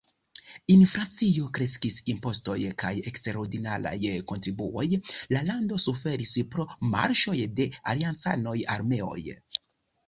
Inflacio kreskis, impostoj kaj eksterordinaraj kontribuoj, la lando suferis pro marŝoj de aliancanaj armeoj.